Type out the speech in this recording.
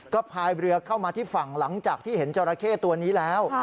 ก็พายเรือเข้ามาที่ฝั่งหลังจากที่เห็นจราเข้ตัวนี้แล้ว